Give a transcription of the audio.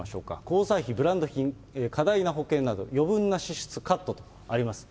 交際費、ブランド品、過大な保険など、余分な支出カットとあります。